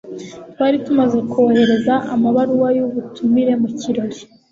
twari tumaze kohereza amabaruwa y'ubutumire mu kirori